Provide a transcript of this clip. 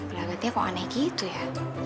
udah berarti kok aneh gitu ya